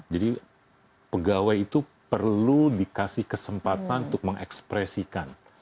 pegawai itu perlu dikasih kesempatan untuk mengekspresikan